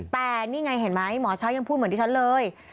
แต่นี่ไงเห็นไหมหมอช้างยังพูดเหมือนดิฉันเลย